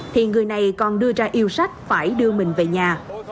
thì người này còn đưa ra yêu sách phải đưa mình về nhà